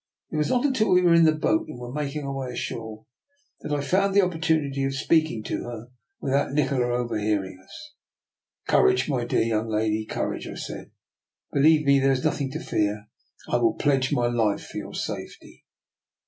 It was not until we were in the boat and were making our way ashore that I found an opportunity of speaking to her without Nikola overhearing us. " Courage, my dear young lady, cour age! " I said. " Believe me, there is nothing to fear. I will pledge my life for your safety.